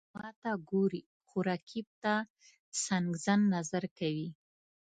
ماته ګوري، خو رقیب ته څنګزن نظر کوي.